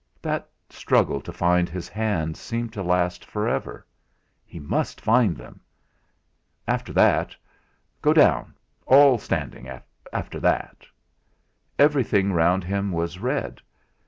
That struggle to find his hands seemed to last for ever he must find them! After that go down all standing after that! Everything round him was red.